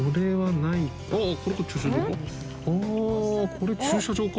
これ駐車場か？